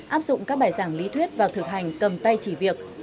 áp dụng các bài giảng lý thuyết và thực hành cầm tay chỉ việc